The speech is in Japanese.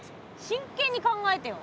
真剣に考えてよ！